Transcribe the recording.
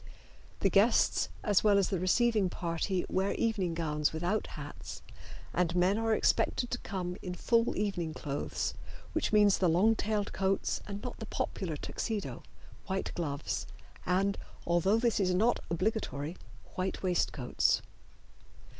The guests as well as the receiving party wear evening gowns without hats, and men are expected to come in full evening clothes, which means the long tailed coats and not the popular Tuxedo, white gloves, and, although this is not obligatory, white waistcoats.